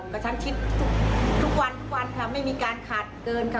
กินทุกวันค่ะไม่มีการขาดเกินค่ะ